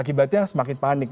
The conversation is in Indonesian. akibatnya semakin panik